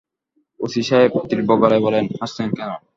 OC সাহেব তীব্রগলায় বললেন, হাসছেন কেন?